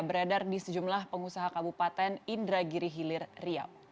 beredar di sejumlah pengusaha kabupaten indra giri hilir riau